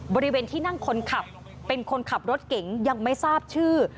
บริเวณที่นั่งคนขับเป็นคนขับรถเก๋งยังไม่ทราบชื่อ